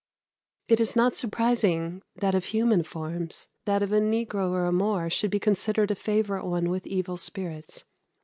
It is not surprising that of human forms, that of a negro or Moor should be considered a favourite one with evil spirits.